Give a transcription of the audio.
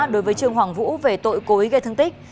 đối với trương hoàng vũ về tội cối gây thương tích